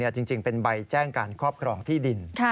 จริงเป็นใบแจ้งการครอบครองที่ดิน